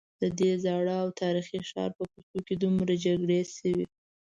ددې زاړه او تاریخي ښار په کوڅو کې دومره جګړې شوي.